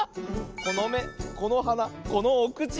このめこのはなこのおくち。